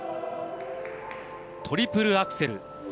トリプルアクセル。